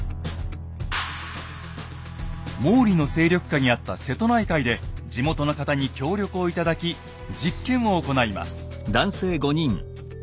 毛利の勢力下にあった瀬戸内海で地元の方に協力を頂き実験を行います。